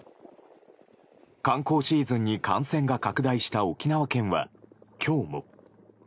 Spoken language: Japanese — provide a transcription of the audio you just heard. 観光シーズンに感染が拡大した沖縄県は、今日も。